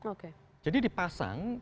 oke jadi dipasang